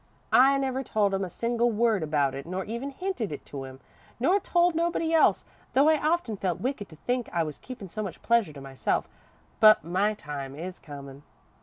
"I never told him a single word about it, nor even hinted it to him, nor told nobody else, though I often felt wicked to think I was keepin' so much pleasure to myself, but my time is comin'.